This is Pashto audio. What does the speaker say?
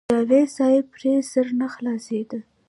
د جاوېد صېب پرې سر نۀ خلاصېدۀ -